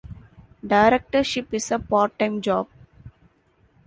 Directorship is a part-time job.